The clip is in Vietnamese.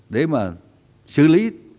để mà xử lý